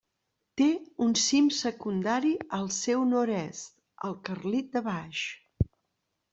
Té un cim secundari al seu nord-est, el Carlit de Baix.